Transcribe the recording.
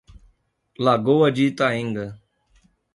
Lagoa de Itaenga